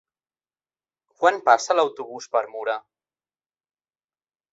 Quan passa l'autobús per Mura?